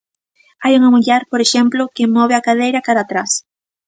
Hai unha muller, por exemplo, que move a cadeira cara a atrás.